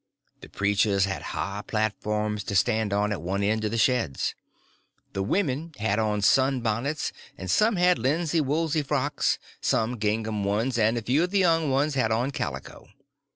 The preachers had high platforms to stand on at one end of the sheds. The women had on sun bonnets; and some had linsey woolsey frocks, some gingham ones, and a few of the young ones had on calico.